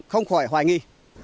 không khỏi hoài nghi